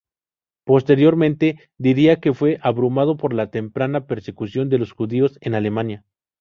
Posteriormente, diría que fue abrumado por la temprana persecución de los judíos en Alemania.